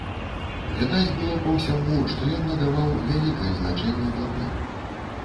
Відаць было па ўсяму, што ён надаваў вялікае значэнне блакноту.